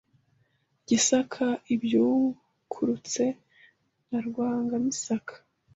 Gisaka ibyukurutse na Rwangamisaka